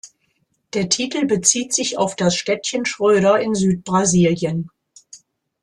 Der Titel bezieht sich auf das Städtchen Schroeder in Südbrasilien.